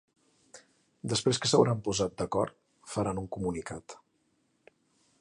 Després que s'hauran posat d'acord, faran un comunicat.